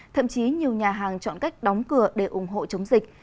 thậm chí nhiều nhà hàng chọn cách đóng cửa để ủng hộ chống dịch